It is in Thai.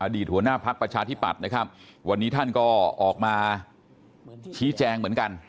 หัวหน้าพักประชาธิปัตย์นะครับวันนี้ท่านก็ออกมาชี้แจงเหมือนกัน